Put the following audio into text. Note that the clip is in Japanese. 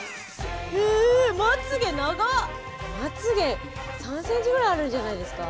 まつげ３ｃｍぐらいあるんじゃないですか？